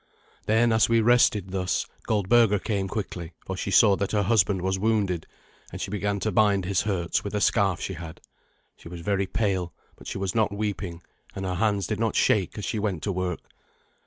Then, as we rested thus, Goldberga came quickly, for she saw that her husband was wounded, and she began to bind his hurts with a scarf she had. She was very pale, but she was not weeping, and her hands did not shake as she went to work.